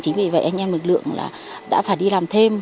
chính vì vậy anh em lực lượng đã phải đi làm thêm